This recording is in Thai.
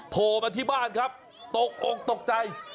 โพบันที่บ้านครับตกใจ